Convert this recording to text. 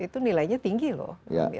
itu nilainya tinggi loh